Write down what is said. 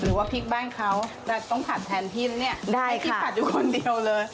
หรือว่าพลิกบ้านเขาแต่ต้องผัดแทนพี่นะเนี่ยได้ให้พี่ผัดอยู่คนเดียวเลย